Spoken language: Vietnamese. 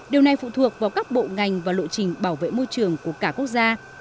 điều này phụ thuộc vào các bộ ngành và lộ trình bảo vệ môi trường của cả quốc gia